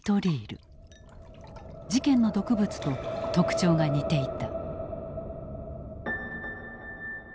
事件の毒物と特徴が似ていた。